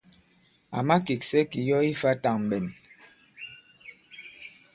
À makèksɛ kì yɔ̀ ifā tàŋɓɛn.